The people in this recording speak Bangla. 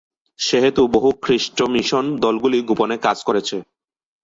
সেহেতু, বহু খ্রিষ্ট মিশন দলগুলি গোপনে কাজ করছে।